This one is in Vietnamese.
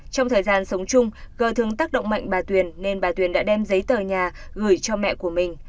trong thời gian sống chung gờ thường tác động mạnh bà tuyền nên bà tuyền đã đem giấy tờ nhà gửi cho mẹ của mình